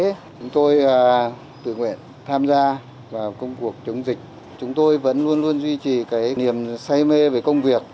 chúng tôi tự nguyện tham gia vào công cuộc chống dịch chúng tôi vẫn luôn luôn duy trì cái niềm say mê về công việc